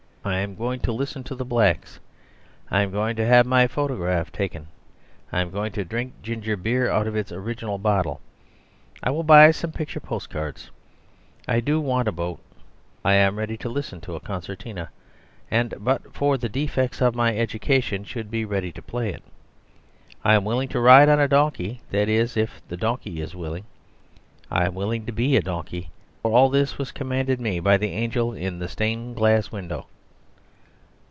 I am going to listen to the niggers. I am going to have my photograph taken. I am going to drink ginger beer out of its original bottle. I will buy some picture postcards. I do want a boat. I am ready to listen to a concertina, and but for the defects of my education should be ready to play it. I am willing to ride on a donkey; that is, if the donkey is willing. I am willing to be a donkey; for all this was commanded me by the angel in the stained glass window."